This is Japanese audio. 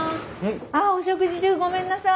あっお食事中ごめんなさい。